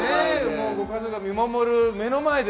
もうね、ご家族が見守る目の前で。